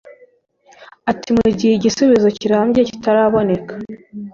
Ati “Mu gihe igisubizo kirambye kitaraboneka